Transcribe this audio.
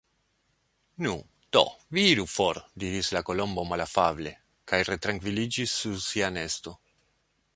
"Nu, do, vi iru for!" diris la Kolombo malafable, kaj retrankviliĝis sur sia nesto.